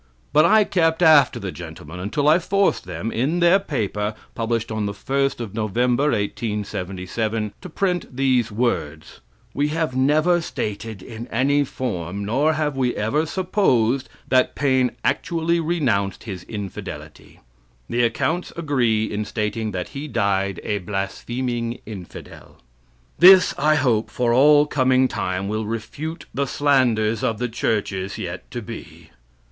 But I kept after the gentlemen until I forced them, in their paper, published on the 1st of November, 1877; to print these words: "We have never stated in any form, nor have we ever supposed, that Paine actually renounced his infidelity. The accounts agree in stating that he died a blaspheming infidel." This, I hope, for all coming time will refute the slanders of the churches yet to be.